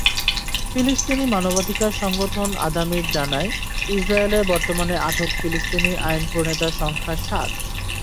ফিলিস্তিনি মানবাধিকার সংগঠন আদামির জানায়, ইসরায়েলে বর্তমানে আটক ফিলিস্তিনি আইনপ্রণেতার সংখ্যা সাত।